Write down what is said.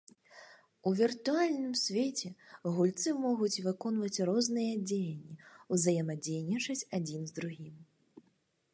У віртуальным свеце гульцы могуць выконваць розныя дзеянні, узаемадзейнічаць адзін з другім.